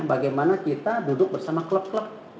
bagaimana kita duduk bersama klub klub